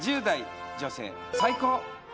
１０代女性「最高！」